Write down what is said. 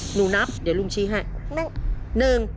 หนูนับเดี๋ยวลุงชี้ให้